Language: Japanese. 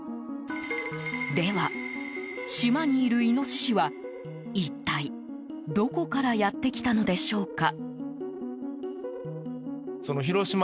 では、島にいるイノシシは一体、どこからやってきたのでしょうか。